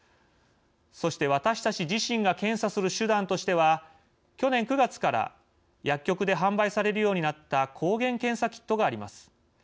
そして、私たち自身が検査する手段としては去年９月から薬局で販売されるようになった抗原検査キットがあります。